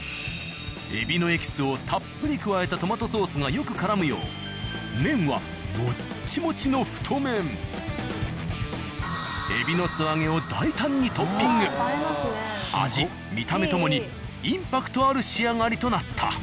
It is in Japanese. エビのエキスをたっぷり加えたトマトソースがよくからむよう麺はを大胆にトッピング。味見た目ともにインパクトある仕上がりとなった。